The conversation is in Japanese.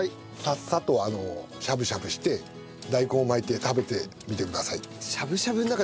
サッサッとしゃぶしゃぶして大根を巻いて食べてみてください。